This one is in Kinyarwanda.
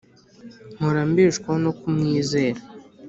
Mpora mbeshwaho no kumwizera